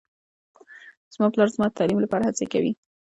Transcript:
زما پلار زما د تعلیم لپاره هڅې کوي